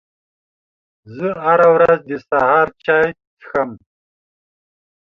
زه هره ورځ د سهار چای څښم